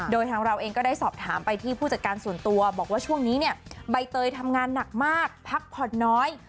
โดยทางเราเองก็ได้สอบถามไปที่ผู้จัดการส่วนตัวบอกว่าช่วงนี้เนี่ยใบเตยทำงานหนักมากพักผ่อนน้อย